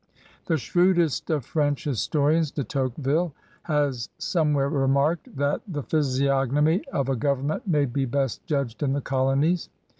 The shrewdest of French historians, De Tocque ville, has somewhere remarked that "the physi 10 CRUSADERS OF NEW FRANCE ognomy of a government may be best judged in the colonies.